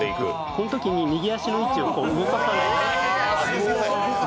このときに右足の位置を上から下に。